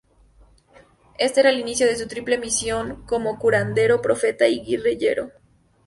Este era el inicio de su triple misión como curandero, profeta y guerrillero.